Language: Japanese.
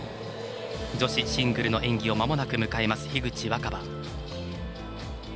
女子シングルの演技をまもなく迎えます、樋口新葉。